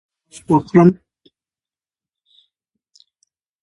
ایا زه باید اش وخورم؟